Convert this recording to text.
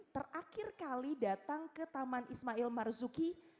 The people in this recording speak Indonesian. terakhir kali datang ke taman ismail marzuki